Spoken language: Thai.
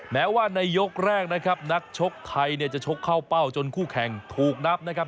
แม้ว่าในยกแรกนะครับนักชกไทยเนี่ยจะชกเข้าเป้าจนคู่แข่งถูกนับนะครับ